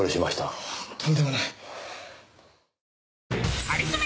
とんでもない。